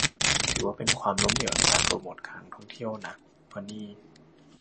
ถือว่าเป็นความล้มเหลวในการโปรโมทการท่องเที่ยวนะ เพราะนี่